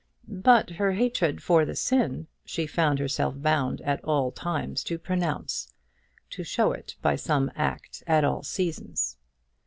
But her hatred for the sin she found herself bound at all times to pronounce to show it by some act at all seasons.